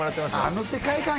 あの世界観